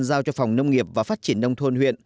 giao cho phòng nông nghiệp và phát triển nông thôn huyện